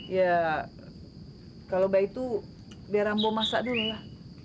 ya kalau baik itu biar ambo masak dulu lah